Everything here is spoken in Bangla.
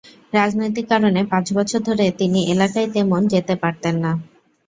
রাজনৈতিক কারণে পাঁচ বছর ধরে তিনি এলাকায় তেমন যেতে পারতেন না।